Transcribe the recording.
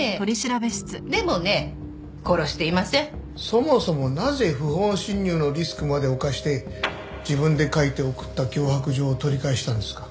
そもそもなぜ不法侵入のリスクまで冒して自分で書いて送った脅迫状を取り返したんですか？